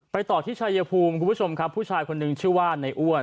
ต่อที่ชายภูมิคุณผู้ชมครับผู้ชายคนหนึ่งชื่อว่าในอ้วน